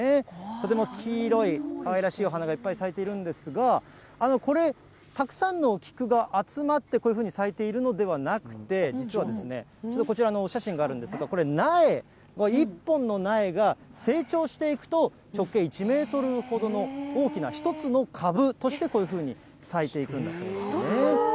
とても黄色い、かわいらしいお花がいっぱい咲いてるんですが、これ、たくさんの菊が集まって、こういうふうに咲いているのではなくて、実はですね、こちらのお写真があるんですが、これ、苗、１本の苗が成長していくと、直径１メートルほどの大きな１つの株としてこういうふうに咲いていくんだそうです。